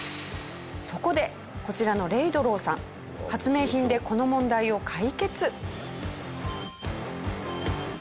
そこでこちらのレイドローさん発明品でこの問題を解決。